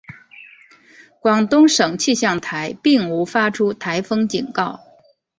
广东省气象台并无发出台风警告。